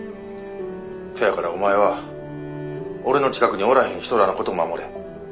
そやからお前は俺の近くにおらへん人らのこと守れ。